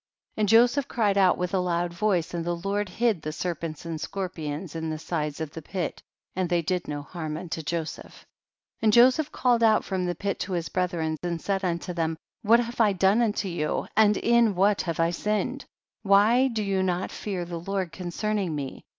And Joseph cried out with a loud voice, and the Lord hid the ser pents and scorpions in the sides of the pit, and they did no harm unto Joseph. 29. And Joseph called out from the pit to his brethren and said unto them, what have I done unto you, and in what have I sinned ? why do you not fear the Lord concerning me